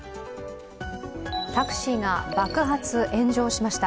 タクシーが爆発・炎上しました。